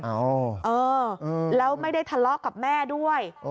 เออแล้วไม่ได้ทะเลาะกับแม่ด้วย